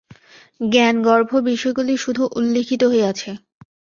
জ্ঞানগর্ভ বিষয়গুলি শুধু উল্লিখিত হইয়াছে।